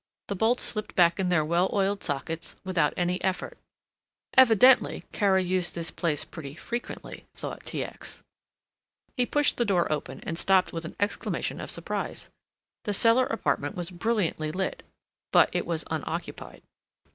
The bolts slipped back in their well oiled sockets without any effort. Evidently Kara used this place pretty frequently, thought T. X. He pushed the door open and stopped with an exclamation of surprise. The cellar apartment was brilliantly lit but it was unoccupied.